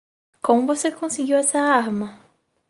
Como você conseguiu essa arma?